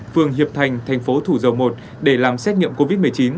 phường hiệp thành thành phố thủ dầu một để làm xét nghiệm covid một mươi chín